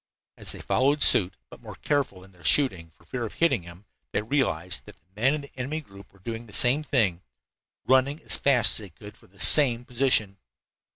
As they followed suit, but more careful in their shooting, for fear of hitting him, they realized that the men in the enemy group were doing the same thing running as fast as they could for the same position.